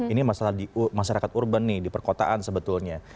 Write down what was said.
ini masalah masyarakat urban nih di perkotaan sebetulnya